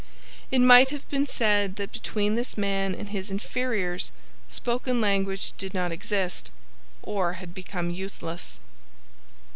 It might have been said that between this man and his inferiors spoken language did not exist, or had become useless.